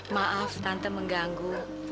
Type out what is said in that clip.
maaf tante mengganggu